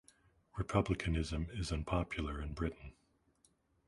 Republicanism is unpopular in Britain.